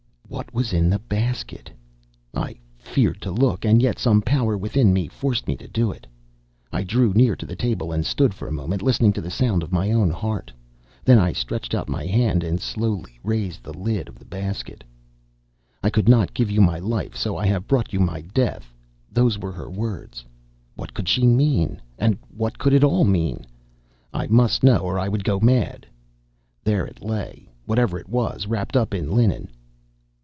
What was in the basket? I feared to look, and yet some power within me forced me to it. I drew near to the table and stood for a moment listening to the sound of my own heart. Then I stretched out my hand and slowly raised the lid of the basket. "I could not give you my life, so I have brought you my death!" Those were her words. What could she mean—what could it all mean? I must know or I would go mad. There it lay, whatever it was, wrapped up in linen.